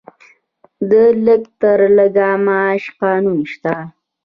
د لږ تر لږه معاش قانون شته؟